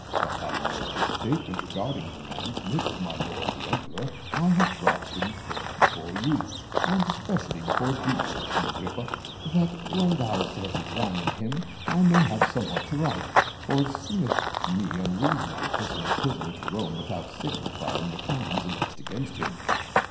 But having no clear statement regarding the man to make to my lord the emperor, I have brought him forth before you, and especially before thee, O king Agrippa, that when thou hast examined him, I may have somewhat to write. For it seemeth to me unreasonable to send a prisoner to Rome without signifying the crimes alleged against him."